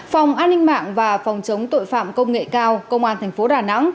phòng an ninh mạng và phòng chống tội phạm công nghệ cao công an tp đà nẵng